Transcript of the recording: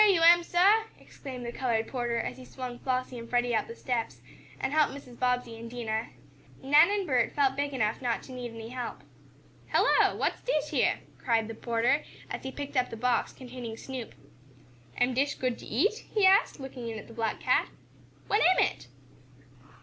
"Heah you am, sah!" exclaimed the colored porter as he swung Flossie and Freddie up the steps, and helped Mrs. Bobbsey and Dinah. Nan and Bert felt big enough not to need any help. "Hello! What's dish yeah?" cried the porter, as he picked up the box containing Snoop. "Am dish good to eat?" he asked, looking in at the black cat. "What am it?"